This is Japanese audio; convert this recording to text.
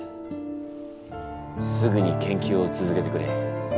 すぐに研究を続けてくれ。